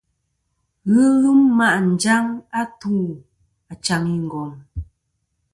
Ghɨ lum ma' njaŋ a tu achaŋ i ngom.